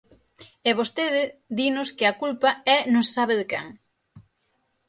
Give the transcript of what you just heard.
E vostede dinos que a culpa é non se sabe de quen.